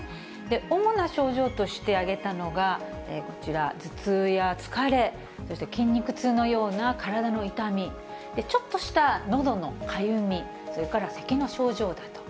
主な症状として挙げたのがこちら、頭痛や疲れ、そして筋肉痛のような体の痛み、ちょっとしたのどのかゆみ、それからせきの症状だと。